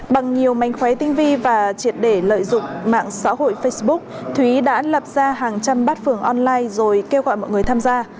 bằng nhiều mánh khóe tinh vi và triệt để lợi dụng mạng xã hội facebook thúy đã lập ra hàng trăm bát phưởng online rồi kêu gọi mọi người tham gia